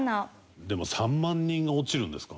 でも３万人が落ちるんですか？